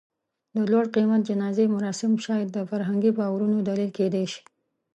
د لوړ قېمت جنازې مراسم شاید د فرهنګي باورونو دلیل کېدی شي.